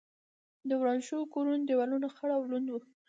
د ورانو شوو کورونو دېوالونه خړ او لوند و.